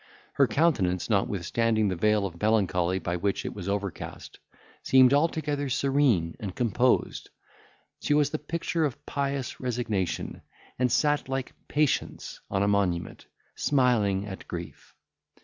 Her countenance, notwithstanding the veil of melancholy by which it was overcast, seemed altogether serene and composed; she was the picture of pious resignation, and sat like PATIENCE on a monument, smiling at grief.